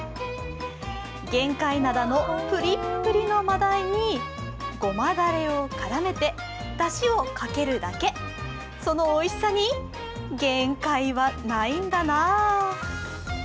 玄界灘のプリップリの真鯛にごまだれを絡めてだしをかけるだけそのおいしさに限界はないんだなあ。